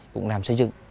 cụng nàm xây dựng